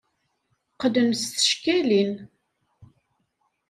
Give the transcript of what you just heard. Qqnen s tcekkalin.